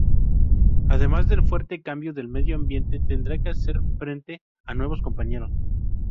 Además del fuerte cambio del medio ambiente, tendrá que hacer frente a nuevos compañeros.